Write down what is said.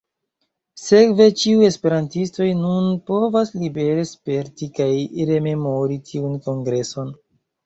Sekve ĉiuj esperantistoj nun povas libere sperti kaj rememori tiun kongreson.